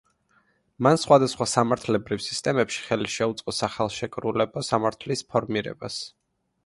მან სხვადასხვა სამართლებრივ სისტემებში ხელი შეუწყო სახელშეკრულებო სამართლის ფორმირებას.